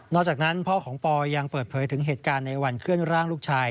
จากนั้นพ่อของปอยังเปิดเผยถึงเหตุการณ์ในวันเคลื่อนร่างลูกชาย